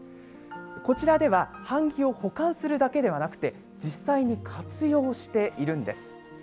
こちらでは版木を保管するだけではなくて実際に活用をしているんです。